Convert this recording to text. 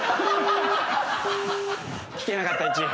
聞けなかった１位。